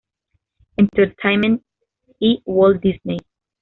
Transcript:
Entertainment y Walt Disney.